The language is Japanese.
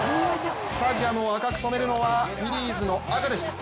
スタジアムを赤く染めるのはフィリーズの赤でした。